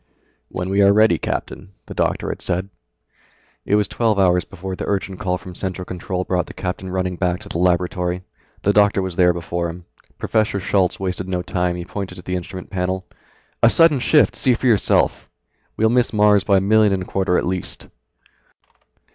"When we are ready, Captain," the doctor had said. It was twelve hours before the urgent call from Central Control brought the captain running back to the laboratory. The doctor was there before him. Professor Schultz wasted no time, he pointed to the instrument panel. "A sudden shift, see for yourself. We'll miss Mars by a million and a quarter at least."